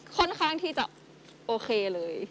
ค่อนข้างที่จะโอเคเลย